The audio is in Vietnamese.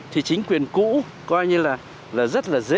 thì chính quyền cũ coi như là rất là dễ